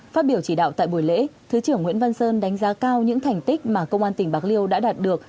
phát biểu chỉ đạo tại buổi lễ thứ trưởng nguyễn văn sơn đánh giá cao những thành tích mà công an tỉnh bạc liêu đã đạt được